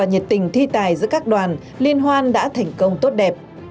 hình thi tài giữa các đoàn liên hoan đã thành công tốt đẹp